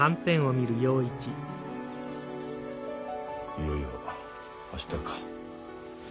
いよいよ明日か。